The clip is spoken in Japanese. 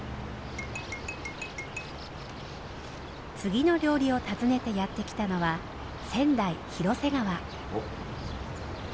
次の料理を訪ねてやって来たのはおっ広瀬川。